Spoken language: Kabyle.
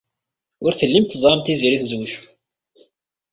Ur tellimt teẓramt Tiziri tezwej.